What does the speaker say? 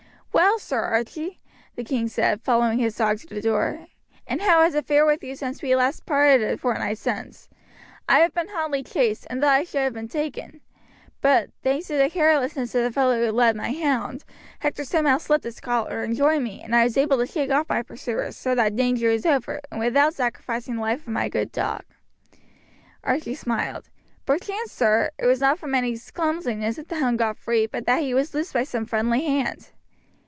"Well, Sir Archie," the king said, following his dog to the door, "and how has it fared with you since we last parted a fortnight since? I have been hotly chased, and thought I should have been taken; but, thanks to the carelessness of the fellow who led my hound, Hector somehow slipped his collar and joined me, and I was able to shake off my pursuers, so that danger is over, and without sacrificing the life of my good dog." Archie smiled. "Perchance, sir, it was not from any clumsiness that the hound got free, but that he was loosed by some friendly hand."